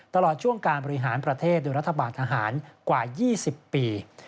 ตลอดช่วงการบริหารประเทศโดยรัฐบาลทหารกว่า๒๐ปี